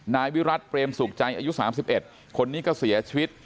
นายวิรัติเตรียมสุขใจอายุสามสิบเอ็ดคนนี้ก็เสียชีวิต